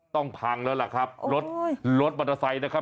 ต้องพังแล้วล่ะครับรถมอเตอร์ไซคันนะครับ